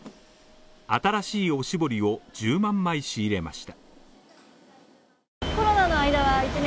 新しいおしぼりを１０万枚仕入れました。